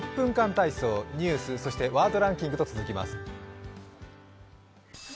体操」、ニュース、そしてワードランキングと続きます。